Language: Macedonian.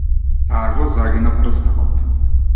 Таа го загина прстенот.